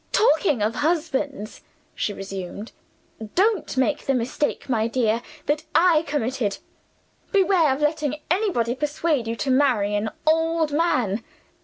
"Talking of husbands," she resumed, "don't make the mistake, my dear, that I committed. Beware of letting anybody persuade you to marry an old man.